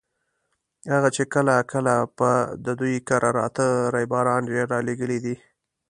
هغه چې کله کله به د دوی کره راته ريباران یې رالېږلي دي.